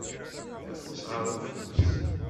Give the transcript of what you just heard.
Afus ɣer ufus.